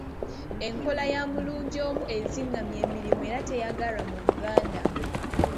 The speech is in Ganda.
Enkola ya “mulungi omu” ezingamya emirimu era teyagalwa mu Buganda.